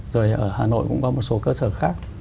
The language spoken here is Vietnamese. rồi ở hà nội cũng có một số cơ sở khác